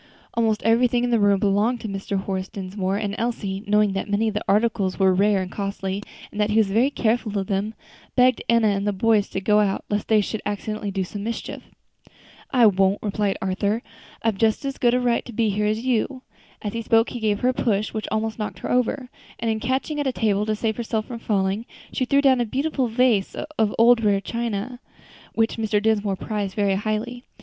Almost everything in the room belonged to Mr. Horace Dinsmore; and Elsie, knowing that many of the articles were rare and costly, and that he was very careful of them, begged Enna and the boys to go out, lest they should accidentally do some mischief. "I won't," replied Arthur. "I've just as good a right to be here as you." As he spoke he gave her a push, which almost knocked her over, and in catching at a table to save herself from falling, she threw down a beautiful vase of rare old china, which Mr. Dinsmore prized very highly.